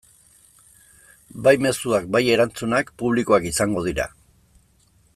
Bai mezuak bai erantzunak publikoak izango dira.